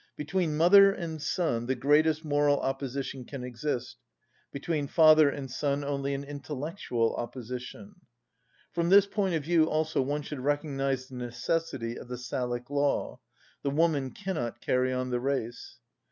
Between mother and son the greatest moral opposition can exist, between father and son only an intellectual opposition. From this point of view, also, one should recognise the necessity of the Salic law: the woman cannot carry on the race.